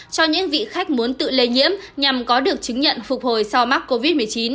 cho những vị khách muốn tự lây nhiễm nhằm có được chứng nhận phục hồi sau mắc covid một mươi chín